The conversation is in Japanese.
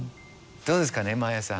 どうですかねマヤさん。